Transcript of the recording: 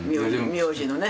名字のね。